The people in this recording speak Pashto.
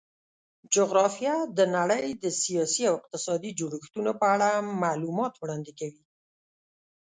جغرافیه د نړۍ د سیاسي او اقتصادي جوړښتونو په اړه معلومات وړاندې کوي.